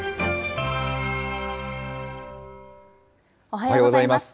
おはようございます。